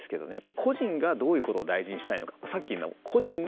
個人がどういうことを大事にしたいのか。